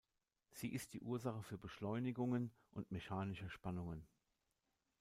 Sie ist die Ursache für Beschleunigungen und mechanische Spannungen.